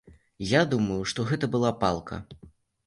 Я думаю, што гэта была палка.